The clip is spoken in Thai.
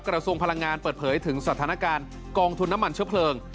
กระทรวงพลังงานเปิดเผยถึงสถานการณ์กองทุนน้ำมันเชื้อเพลิง